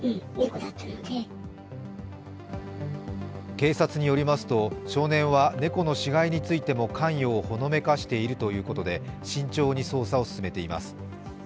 警察によりますと、少年は猫の死骸についても関与をほのめかしているということで慎重に捜査を進めています。